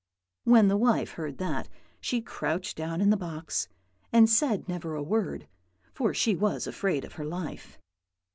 "When the wife heard that she crouched down in the box, and said never a word, for she was afraid of her life.